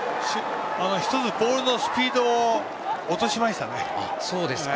１つボールのスピードを落としましたね。